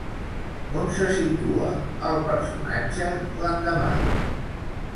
On se situa el personatge l'endemà?